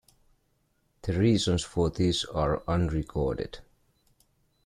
The reasons for this are unrecorded.